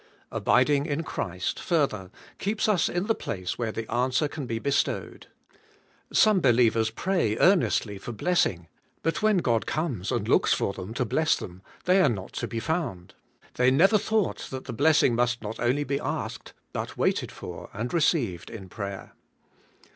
Abiding in Christ, further, keeps us in the place where the answer can he lestoived. Some believers pray earnestly for blessing; but when God comes and so WILL YOU HAVE POWER IN PRAYER. 163 looks for them to bless them, they are not to be found. They never thought that the blessing must not only be asked, but waited for, and received in prayer.